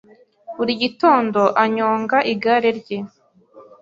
Buri gitondo anyonga igare rye